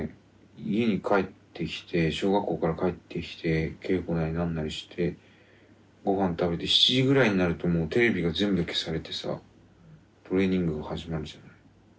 家に帰ってきて小学校から帰ってきて稽古なり何なりしてご飯食べて７時ぐらいになるともうテレビが全部消されてさトレーニングが始まるじゃん？